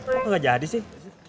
kok nggak jadi sih